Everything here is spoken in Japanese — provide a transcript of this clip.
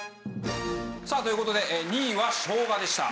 さあという事で２位はしょうがでした。